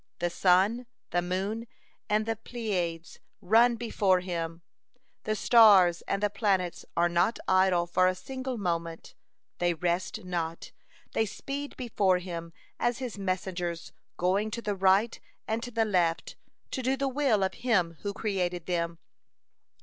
The sun, the moon, and the Pleiades run before Him, the stars and the planets are not idle for a single moment; they rest not, they speed before Him as His messengers, going to the right and to the left, to do the will of Him who created them.